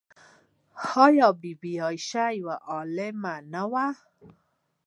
آیا بی بي عایشه یوه عالمه نه وه؟